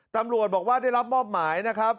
ตำรวจบอกว่าได้รับมอบหมายนะครับ